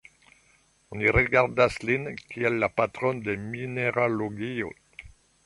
Oni rigardas lin kiel la "patron de mineralogio".